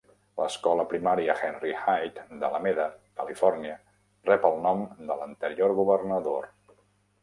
L"escola primària Henry Haight d"Alameda, Califòrnia, rep el nom de l"anterior governador.